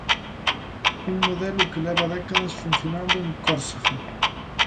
Un modelo que leva décadas funcionando en Córsega.